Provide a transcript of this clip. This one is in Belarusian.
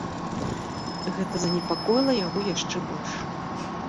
Гэта занепакоіла яго яшчэ больш.